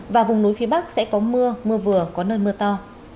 và vùng núi phía bắc sẽ có mưa mưa vừa có nơi mưa to